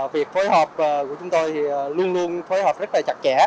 việc phối hợp của chúng tôi thì luôn luôn phối hợp rất là chặt chẽ